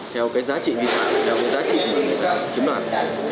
theo cái giá trị vi phạm theo cái giá trị mà người ta chiếm đoạt